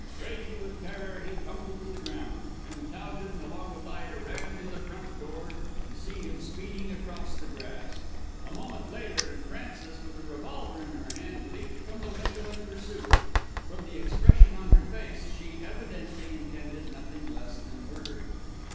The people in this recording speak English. Crazy with terror, he tumbled to the ground, and Towton, along with Ida, ran to the front door, to see him speeding across the grass. A moment later and Frances, with a revolver in her hand, leaped from the window in pursuit. From the expression on her face she evidently intended nothing less than murder.